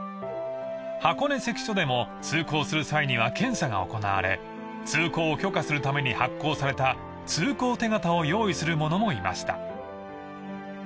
［箱根関所でも通行する際には検査が行われ通行を許可するために発行された通行手形を用意する者もいました］